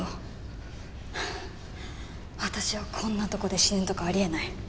私はこんなとこで死ぬとかあり得ない。